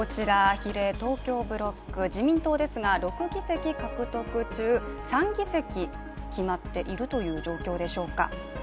比例、東京ブロック、自民党ですが、６議席獲得中３議席決まっているという状況でしょうか。